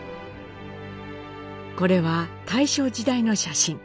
これは大正時代の写真。